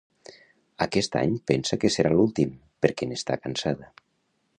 Aquest any pensa que serà l’últim, perquè n’està cansada.